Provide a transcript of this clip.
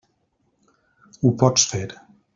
Ho pots fer.